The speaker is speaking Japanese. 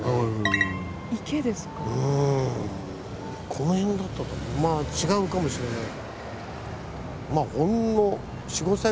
この辺だったとまあ違うかもしれない。